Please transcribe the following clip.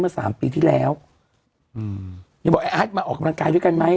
เมื่อสามปีที่แล้วอืมอย่าบอกมาออกกำลังกายด้วยกันไหม